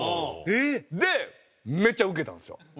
えっ！でめっちゃウケたんですよ。